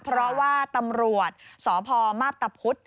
เพราะว่าตำรวจสพมาพตะพุธ